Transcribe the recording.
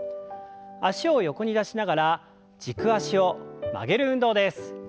脚を横に出しながら軸足を曲げる運動です。